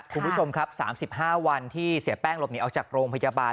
คุณผู้ชมครับ๓๕วันที่เสียแป้งหลบหนีออกจากโรงพยาบาล